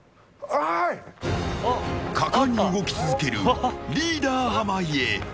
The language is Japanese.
果敢に動き続けるリーダー濱家。